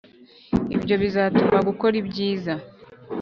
Ibyo bizatuma gukora ibyiza